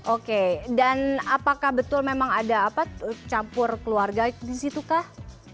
oke dan apakah betul memang ada apa campur keluarga di situ kah